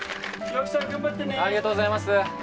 ありがとうございます。